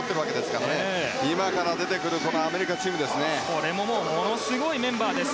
これもものすごいメンバーです。